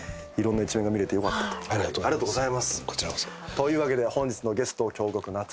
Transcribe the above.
というわけで本日のゲスト京極夏彦さんでした。